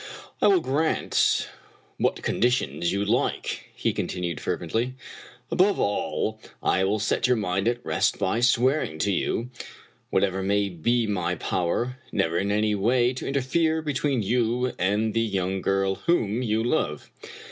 " I will grant what conditions you like/' he continued fervently. "Above all, I will set your mind at rest by swearing to you, whatever may be my power, never in any way to interfere between you and the young girl whom you love.